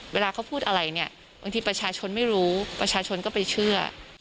เวลาเขาพูดอะไรเนี่ยบางทีประชาชนไม่รู้ประชาชนก็ไปเชื่อ